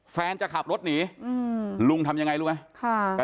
แฟนจะขับรถหนีลุงทำยังไงรู้ไหม